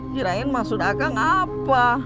girain masuk dakang apa